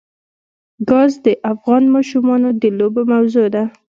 ګاز د افغان ماشومانو د لوبو موضوع ده.